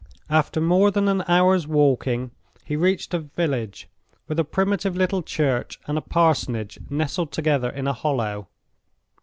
After more than an hour's walking he reached a village, with a primitive little church and parsonage nestled together in a hollow.